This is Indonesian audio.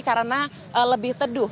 karena lebih teduh